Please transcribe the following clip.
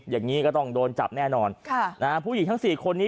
อย่างนี้ก็ต้องโดนจับแน่นอนค่ะนะฮะผู้หญิงทั้งสี่คนนี้